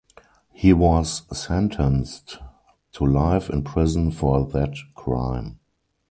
He was sentenced to life in prison for that crime.